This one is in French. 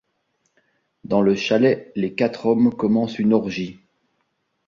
Dans le chalet, les quatre hommes commencent une orgie.